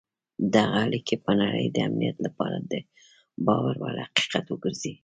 دغه اړیکي به د نړۍ د امنیت لپاره د باور وړ حقیقت وګرځي.